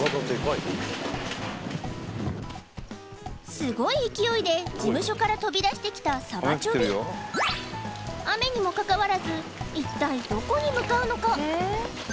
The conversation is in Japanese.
すごい勢いで事務所から飛び出してきたサバチョビ雨にもかかわらず向かうのか？